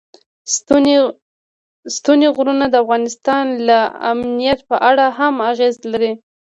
ستوني غرونه د افغانستان د امنیت په اړه هم اغېز لري.